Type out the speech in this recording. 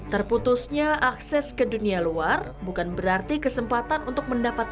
terputusnya akses ke dunia luar bukan berarti kesempatan untuk mendapatkan